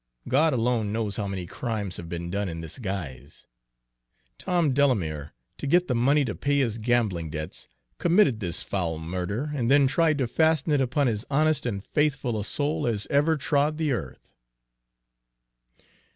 God alone knows how many crimes have been done in this guise! Tom Delamere, to get the money to pay his gambling debts, committed this foul murder, and then tried to fasten it upon as honest and faithful a soul as ever trod the earth."